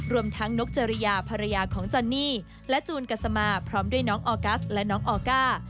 รวมทั้งนกจริยาภรรยาของจอนนี่และจูนกัสมาพร้อมด้วยน้องออกัสและน้องออก้า